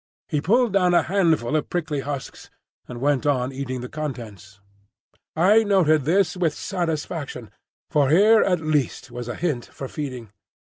He pulled down a handful of prickly husks and went on eating the contents. I noted this with satisfaction, for here at least was a hint for feeding.